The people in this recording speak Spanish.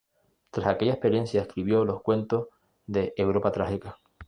Tras aquella experiencia escribió los cuentos de "Europa trágica".